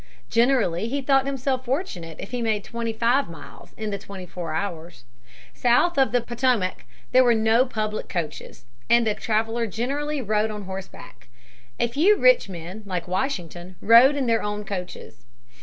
Generally he thought himself fortunate if he made twenty five miles in the twenty four hours. South of the Potomac there were no public coaches, and the traveler generally rode on horseback. A few rich men like Washington rode in their own coaches.